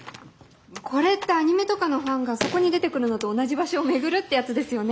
これってアニメとかのファンがそこに出てくるのと同じ場所を巡るってやつですよね？